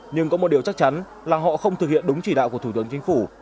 nhưng có một điều chắc chắn là họ không thực hiện đúng chỉ đạo của thủ tướng chính phủ